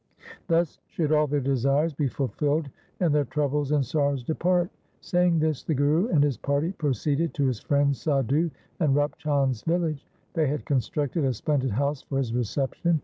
Thus should all their desires be ful filled, and their troubles and sorrows depart. Saying this the Guru and his party proceeded to his friends Sadhu and Rup Chand's village. They had con structed a splendid house for his reception.